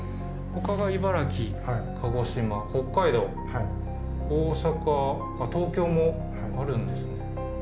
ほかが「茨城」「鹿児島」「北海道」「大阪」「東京」もあるんですね。